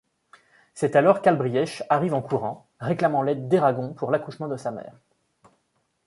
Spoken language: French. C'est alors qu'Albriech arrive en courant, réclamant l'aide d'Eragon pour l'accouchement de sa mère.